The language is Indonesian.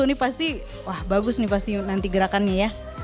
ini pasti wah bagus nih pasti nanti gerakannya ya